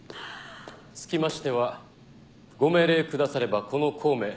つきましてはご命令くださればこの孔明